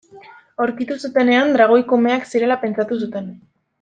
Aurkitu zutenean dragoi kumeak zirela pentsatu zuten.